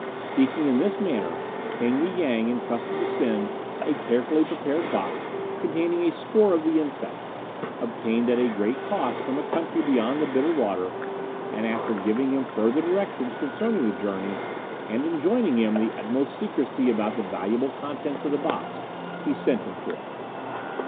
Speaking in this manner, King y Yang entrusted to Sen a carefully prepared box containing a score of the insects, obtained at a great cost from a country beyond the Bitter Water, and after giving him further directions concerning the journey, and enjoining the utmost secrecy about the valuable contents of the box, he sent him forth.